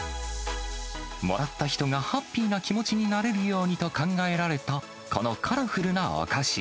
もらった人がハッピーな気持ちになれるようにと考えられた、このカラフルなお菓子。